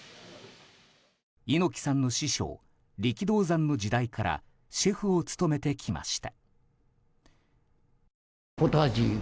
猪木さんの師匠力動山の時代からシェフを務めてきました。